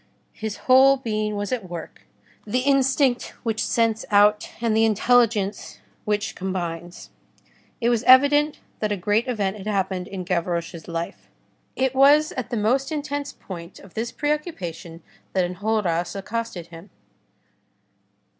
His whole being was at work, the instinct which scents out, and the intelligence which combines. It was evident that a great event had happened in Gavroche's life. It was at the most intense point of this preoccupation that Enjolras accosted him.